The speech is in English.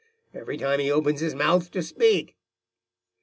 every time he opens his mouth to speak.